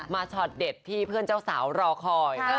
ช็อตเด็ดที่เพื่อนเจ้าสาวรอคอย